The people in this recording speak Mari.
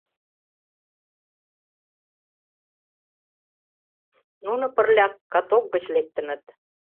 Нуно пырля каток гыч лектыныт.